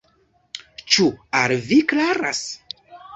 Ĉu al vi klaras?